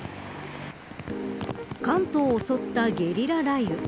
関東を襲ったゲリラ雷雨。